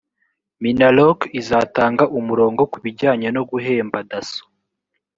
minaloc izatanga umurongo kubijyanye no guhemba dasso